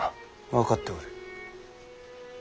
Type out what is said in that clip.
分かっておる。